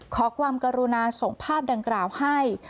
ขอความกรุณาส่งภาพดังกล่าวให้